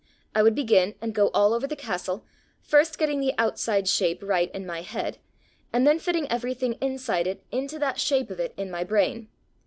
I would begin and go all over the castle, first getting the outside shape right in my head, and then fitting everything inside it into that shape of it in my brain.